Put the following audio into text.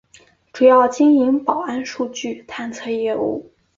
主要经营保安数据探测业务。